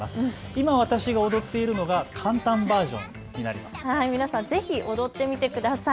今、私が踊っているのは簡単バージョン、皆さん、ぜひ踊ってみてください。